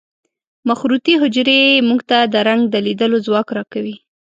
مخروطي حجرې موږ ته د رنګ د لیدلو ځواک را کوي.